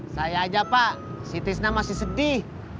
saya aja pak si tisna masih sedih